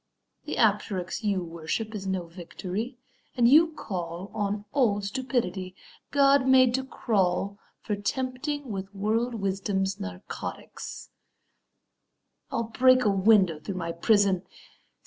The Apteryx You worship is no victory; you call On old stupidity, God made to crawl For tempting with world wisdom's narcotics. I'll break a window through my prison!